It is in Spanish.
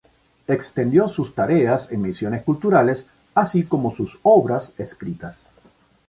Extendió sus tareas en Misiones Culturales así como sus obras escritas.